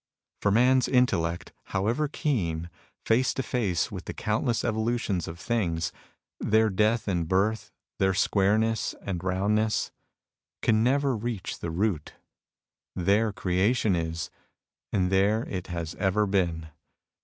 For man's intellect, however keen, face to face 62 MUSINGS OF A CHINESE MYSTIC with the countless evolutions of things, their death and birth, their squareness and roundness, — can never reach the root. There creation is, and there it has ever been.